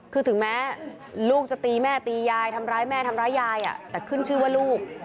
คือถึงแม้ลูกจะตีแม่ตียายทำร้ายแม่ทำร้ายยายแต่ขึ้นชื่อว่าลูก